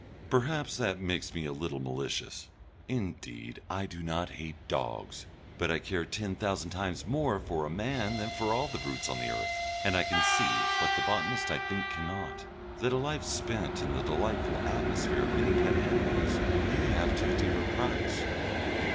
Perhaps that makes me a little malicious. Indeed I do not hate dogs, but I care ten thousand times more for a man than for all the brutes on the earth, and I can see, what the botanist I think cannot, that a life spent in the delightful atmosphere of many pet animals may have too dear a price....